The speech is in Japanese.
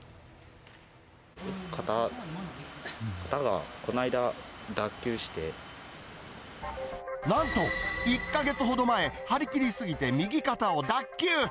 肩、肩がこの間、なんと１か月ほど前、張り切り過ぎて右肩を脱臼。